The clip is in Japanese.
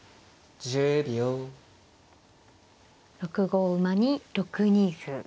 ６五馬に６二歩。